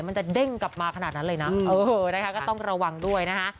มันจะเด้งกลับมาขนาดนั้นเลยนะเออนะคะก็ต้องระวังด้วยนะคะ